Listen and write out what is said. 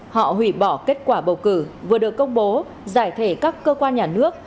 họ hủy bỏ kết quả bầu cử vừa được công bố giải thể các cơ quan nhà nước